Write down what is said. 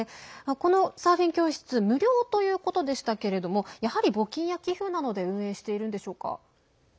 このサーフィン教室無料ということでしたけれどもやはり募金や寄付などで運営しているんでしょうか？